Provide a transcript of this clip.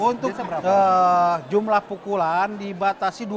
untuk jumlah pukulan dibatasi dua